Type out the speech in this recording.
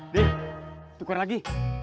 dih tuker lagi